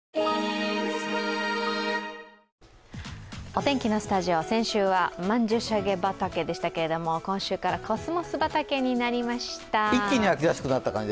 お天気のスタジオ、先週は曼珠沙華畑でしたけど今週からコスモス畑になりました。